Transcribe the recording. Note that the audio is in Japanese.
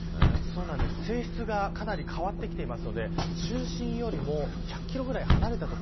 性質がかなり変わってきているので中心よりも１００キロぐらい離れた所。